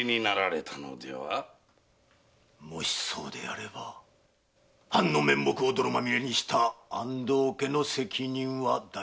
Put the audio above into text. もしそうであれば藩の面目を泥まみれにした安藤家の責任は大であろうな。